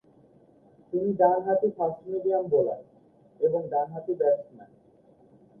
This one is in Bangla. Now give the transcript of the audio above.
তিনি ডানহাতি ফাস্ট-মিডিয়াম বোলার এবং ডানহাতি ব্যাটসম্যান।